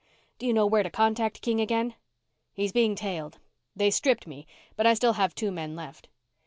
"Do you know where to contact King again?" "He's being tailed. They stripped me, but I still have two men left."